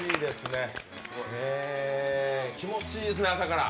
気持ちいいですね、朝から。